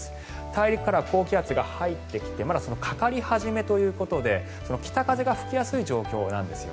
大陸からは高気圧が入ってきてまだかかり始めということで北風が吹きやすい状況なんです。